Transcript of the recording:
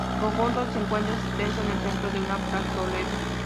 El conjunto se encuentra exento en el centro de una plazoleta.